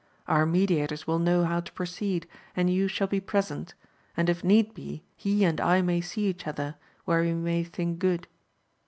Our mediators will know how to proceed, and you shall be present ; and if need be, he and I may see each other, where we may think good.